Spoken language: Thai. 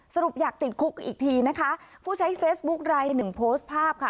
สรุปอยากติดคุกอีกทีนะคะผู้ใช้เฟซบุ๊คลายหนึ่งโพสต์ภาพค่ะ